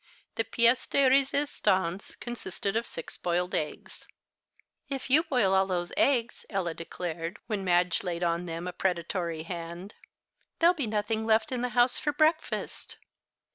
The pièce de resistance consisted of six boiled eggs. "If you boil all those eggs," Ella declared, when Madge laid on them a predatory hand, "there'll be nothing left in the house for breakfast."